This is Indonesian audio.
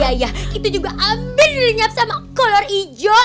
iya iya itu juga ambil dinyap sama kolor ijo